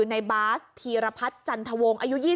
ในบ้านภีรพัฐจันถวงอายุ๒๐